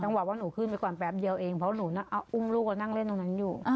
ว่าหนูขึ้นไปก่อนแป๊บเดียวเองเพราะหนูอุ้มลูกเขานั่งเล่นตรงนั้นอยู่